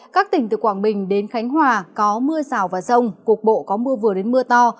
các tỉnh từ quảng bình đến khánh hòa có mưa rào và rông cục bộ có mưa vừa đến mưa to